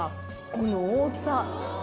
この大きさ。